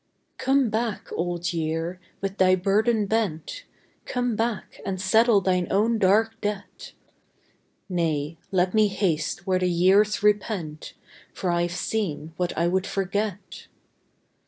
" Come back, Old Year, with thy burden bent. Come back and settle thine own dark debt." " Nay, let me haste where the years repent, For I ve seen what I would forget."